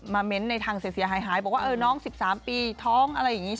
มาเมนต์ในทางเสียเสียหายหายบอกว่าน้อง๑๓ปีท้อง